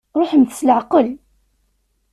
Ṛuḥemt s leɛqel.